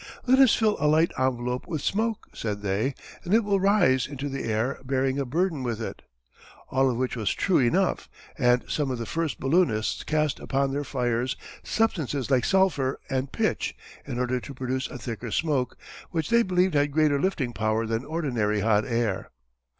"Let us fill a light envelope with smoke," said they, "and it will rise into the air bearing a burden with it." All of which was true enough, and some of the first balloonists cast upon their fires substances like sulphur and pitch in order to produce a thicker smoke, which they believed had greater lifting power than ordinary hot air.